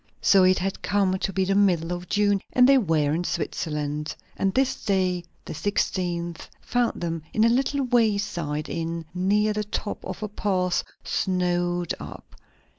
So it had come to be the middle of June, and they were in Switzerland. And this day, the sixteenth, found them in a little wayside inn near the top of a pass, snowed up.